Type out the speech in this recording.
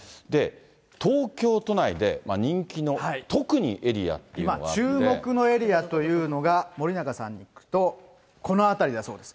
東京都内で人気の、今、注目のエリアというのが、森永さんに聞くと、この辺りだそうです。